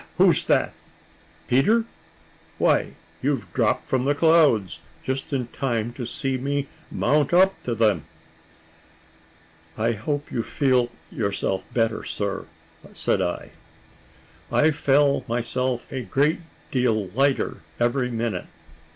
who's that Peter? Why you've dropped from the clouds, just in time to see me mount up to them." "I hope you feel yourself better, sir," said I. "I fell myself a great deal lighter every minute.